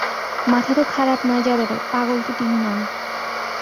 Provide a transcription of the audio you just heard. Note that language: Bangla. মাথা তো খারাপ নয় যাদবের, পাগল তো তিনি নন।